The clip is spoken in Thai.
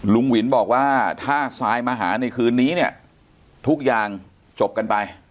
หวินบอกว่าถ้าซายมาหาในคืนนี้เนี่ยทุกอย่างจบกันไป